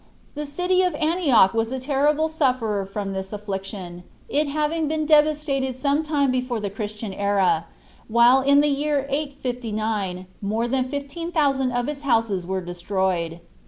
The city of Antioch was a terrible sufferer from this affliction, it having been devastated some time before the Christian era, while in the year 859 more than 15,000 of its houses were destroyed.